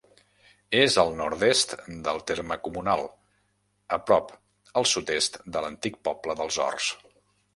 És al nord-est del terme comunal, a prop al sud-est de l'antic poble dels Horts.